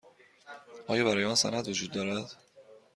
آیا برای آن سند وجود دارد؟